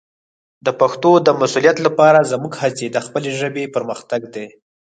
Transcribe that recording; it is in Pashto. د پښتو د مسوولیت لپاره زموږ هڅې د خپلې ژبې پرمختګ دی.